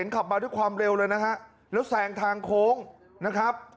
ขับมาด้วยความเร็วเลยนะฮะแล้วแซงทางโค้งนะครับ